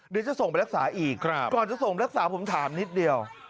เดี๋ยวจะส่งไปรักษาอีกก่อนจะส่งรักษาผมถามนิดเดียว